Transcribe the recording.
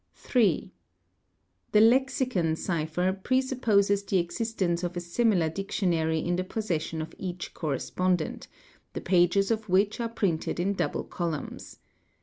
3. The lexicon cipher pre supposes the existence of a similar dic ; tionary in the possession of each correspondent, the pages of which are ; printed in double columns.